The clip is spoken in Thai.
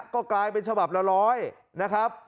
ก็กลายเป็นฉบับละร้อยนะครับ